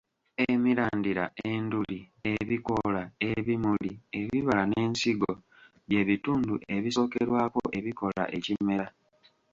Emirandira, enduli, ebikoola, ebimuli, ebibala n'ensigo by'ebitundu ebisookerwako ebikola ekimera